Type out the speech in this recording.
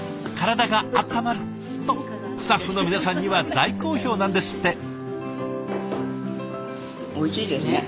体があったまるとスタッフの皆さんには大好評なんですって。